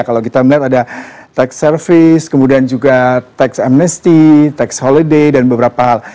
kalau kita melihat ada tax service kemudian juga tax amnesty tax holiday dan beberapa hal